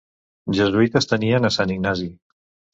Jesuïtes tenien a Sant Ignasi.